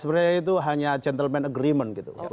sebenarnya itu hanya gentleman agreement gitu